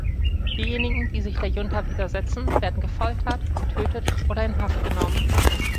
Diejenigen, die sich der Junta widersetzen, werden gefoltert, getötet oder in Haft genommen.